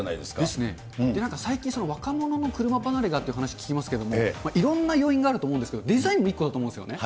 ですね、最近なんか若者の車離れって聞きますけれども、いろんな要因があると思うんですけど、デザインも一個だと思うんですよね。